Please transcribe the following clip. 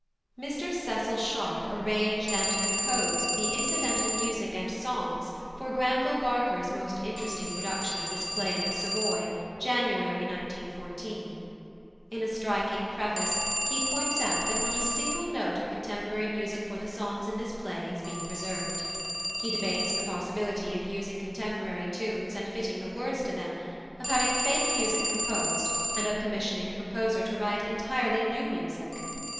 +Mr Cecil Sharp+ arranged and composed the incidental music and songs for Granville Barker's most interesting production of this play at the Savoy, January 1914. In a striking preface he points out that not a single note of contemporary music for the songs in this play has been preserved; he debates the possibility of using contemporary tunes and fitting the words to them, of having fake music composed, and of commissioning a composer to write entirely new music.